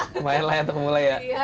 kemayalah untuk pemula ya